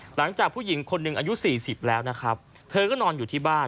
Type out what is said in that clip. หลังจากผู้หญิงคนหนึ่งอายุ๔๐แล้วนะครับเธอก็นอนอยู่ที่บ้าน